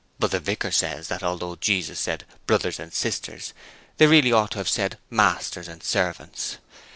But the vicar says that although Jesus said "brothers and sisters" He really ought to have said "masters and servants".